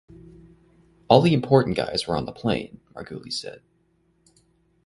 "All the important guys were on the plane," Margulies said.